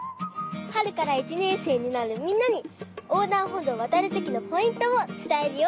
はるから１ねんせいになるみんなにおうだんほどうをわたるときのポイントをつたえるよ！